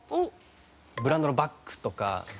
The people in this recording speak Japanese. ブランドのバッグとか。